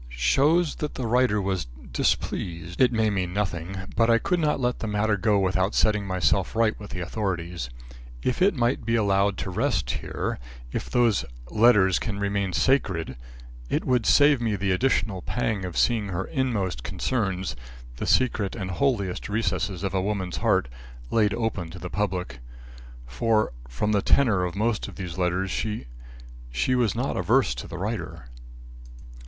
"Shows that the writer was displeased. It may mean nothing, but I could not let the matter go without setting myself right with the authorities. If it might be allowed to rest here if those letters can remain sacred, it would save me the additional pang of seeing her inmost concerns the secret and holiest recesses of a woman's heart, laid open to the public. For, from the tenor of most of these letters, she she was not averse to the writer."